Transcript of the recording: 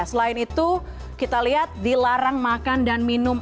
selain itu kita lihat dilarang makan dan minum